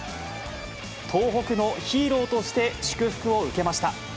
東北のヒーローとして、祝福を受けました。